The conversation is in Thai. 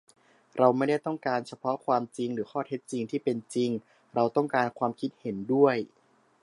เราไม่ได้ต้องการเฉพาะความจริงหรือข้อเท็จจริงที่เป็นจริง เราต้องการความคิดเห็นด้วย